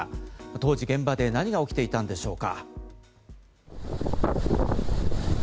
当時、現場で何が起きていたんでしょうか？